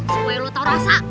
supaya lo tau rasa